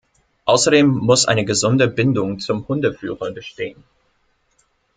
Außerdem muss eine gesunde Bindung zum Hundeführer bestehen.